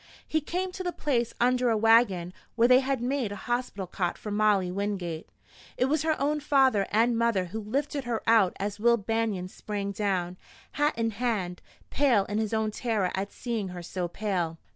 He came to the place under a wagon where they had made a hospital cot for Molly Wingate. It was her own father and mother who lifted her out as Will Banion sprang down, hat in hand, pale in his own terror at seeing her so pale.